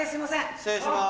失礼します